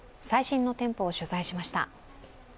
最新の店舗を取材しました。